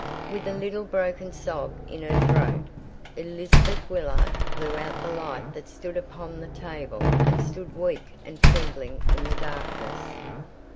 With a little broken sob in her throat, Elizabeth Willard blew out the light that stood upon the table and stood weak and trembling in the darkness.